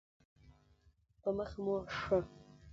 په مخه مو ښه.